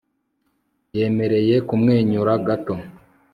Yemereye kumwenyura gato